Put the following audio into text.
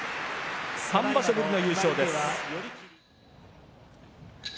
３場所ぶりの優勝です。